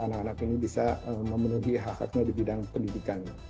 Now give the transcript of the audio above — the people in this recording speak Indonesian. anak anak ini bisa memenuhi hak haknya di bidang pendidikan